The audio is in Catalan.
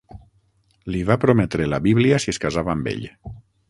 Li va prometre la Bíblia si es casava amb ell.